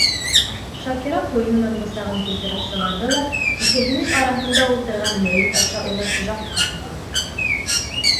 Шакира ҡуйынынан бысағын килтереп сығарҙы ла, икеһенең араһында ултырған мәйет аша уны Жакҡа һондо: